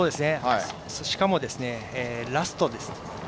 しかもラストですね。